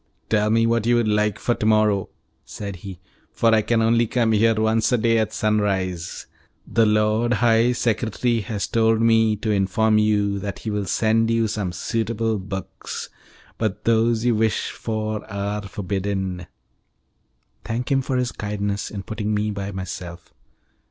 "Tell me what you would like for to morrow," said he, "for I can only come here once a day at sunrise. The Lord High Secretary has told me to inform you that he will send you some suitable books, but those you wish for are forbidden." "Thank him for his kindness in putting me by myself."